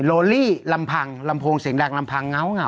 โลลี่ลำพังลำโพงเสียงแรงลำพังเงาเหงา